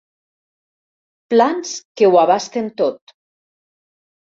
Plans que ho abasten tot.